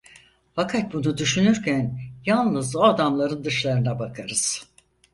Fakat bunu düşünürken yalnız o adamların dışlarına bakarız.